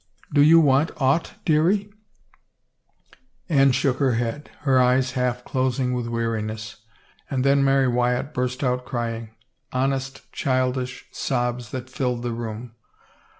" Do you want aught, dearie ?" Anne shook her head, her eyes half closing with weariness. And then Mary Wyatt burst out crying, hon est childish sobs that filled the room.